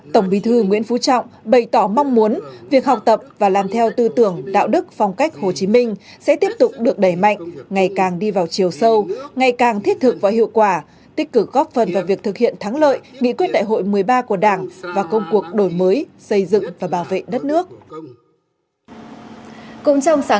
tổng bí thư nguyễn phú trọng bày tỏ mong muốn việc học tập và làm theo tư tưởng đạo đức phong cách hồ chí minh sẽ tiếp tục được đẩy mạnh ngày càng đi vào chiều sâu ngày càng thiết thực và hiệu quả tích cử góp phần vào việc thực hiện thắng lợi nghị quyết đại hội một mươi ba của đảng và công cuộc đổi mới xây dựng và bảo vệ đất nước